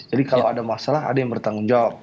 jadi kalau ada masalah ada yang bertanggung jawab